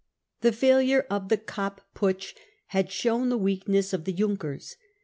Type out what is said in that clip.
The failure of the Kapp Putsch had shown the weakness of the Junkers.